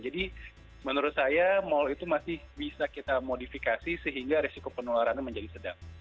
jadi menurut saya mall itu masih bisa kita modifikasi sehingga risiko penularannya menjadi sedang